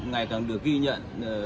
ngày càng được ghi nhận